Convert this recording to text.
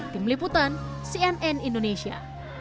tim liputan cnn indonesia